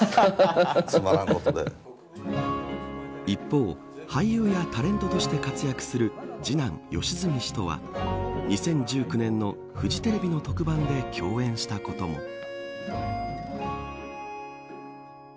一方、俳優やタレントとして活躍する次男、良純氏とは２０１９年のフジテレビの特番で共演したことも。